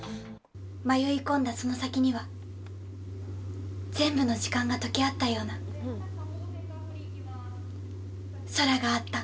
迷い込んだその先には全部の時間が溶け合ったような空があった。